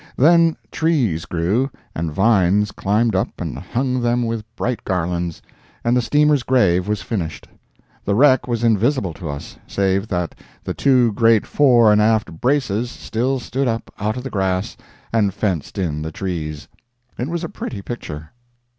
Then trees grew and vines climbed up and hung them with bright garlands, and the steamer's grave was finished. The wreck was invisible to us, save that the two great fore and aft braces still stood up out of the grass and fenced in the trees. It was a pretty picture.